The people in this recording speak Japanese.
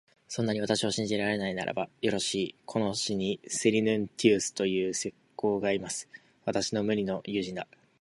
そんなに私を信じられないならば、よろしい、この市にセリヌンティウスという石工がいます。私の無二の友人だ。